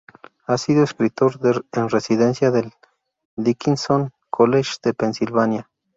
Ha sido Escritor en Residencia del Dickinson College de Pensilvania.